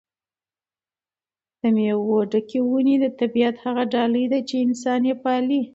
د مېوو ډکې ونې د طبیعت هغه ډالۍ ده چې انسان یې پالي.